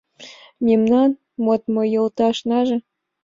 Мемнан модмо йолташнаже